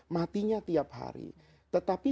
matinya tiap hari